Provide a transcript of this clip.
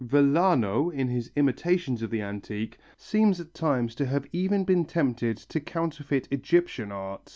Vellano, in his imitations of the antique, seems at times to have even been tempted to counterfeit Egyptian art.